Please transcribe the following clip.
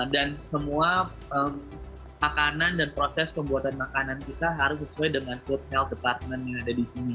dan semua makanan dan proses pembuatan makanan kita harus sesuai dengan food health department yang ada di sini